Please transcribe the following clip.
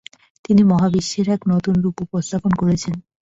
তিনি মহাবিশ্বের এক নতুন রূপ উপস্থাপন করেছেন।